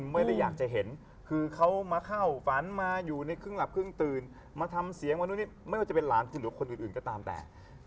ไม่ว่าจะเป็นหลานหรือคนอื่นก็ตามแต่